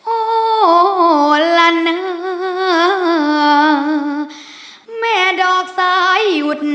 โอเคครับ